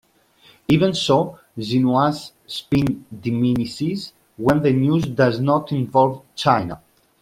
Even so, "Xinhua's spin diminishes when the news doesn't involve China".